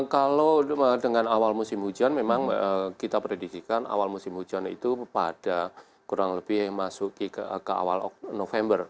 kalau dengan awal musim hujan memang kita prediksikan awal musim hujan itu pada kurang lebih masuk ke awal november